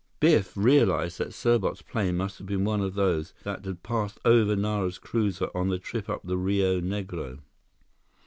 Biff realized that Serbot's plane must have been one of those that had passed over Nara's cruiser on the trip up the Rio Negro.